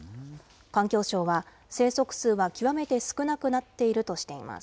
環境省は、生息数は極めて少なくなっているとしています。